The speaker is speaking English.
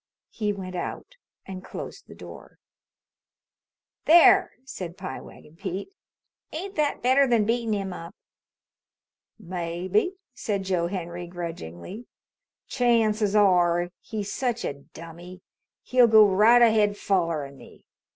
He went out and closed the door. "There," said Pie Wagon Pete. "Ain't that better than beatin' him up?" "Maybe," said Joe Henry grudgingly. "Chances are he's such a dummy he'll go right ahead follerin' me.